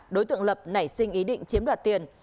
đối tượng lập nảy sinh ý định chiếm đoạt tiền